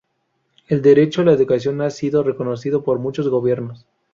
El derecho a la educación ha sido reconocido por muchos gobiernos.